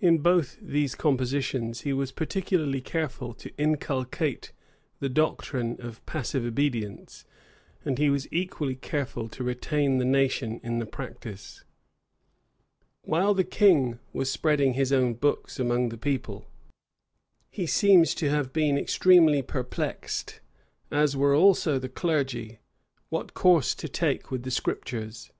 In both these compositions, he was particularly careful to inculcate the doctrine of passive obedience; and he was equally careful to retain the nation in the practice. While the king was spreading his own books among the people, he seems to have been extremely perplexed, as were also the clergy, what course to take with the Scriptures.